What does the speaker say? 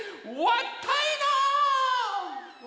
わったいな？